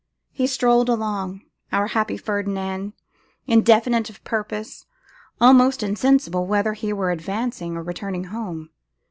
He strolled along, our happy Ferdinand, indefinite of purpose, almost insensible whether he were advancing or returning home.